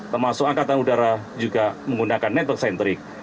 termasuk angkatan udara juga menggunakan network centric